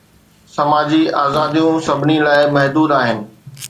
سماجي آزاديون سڀني لاءِ محدود آهن.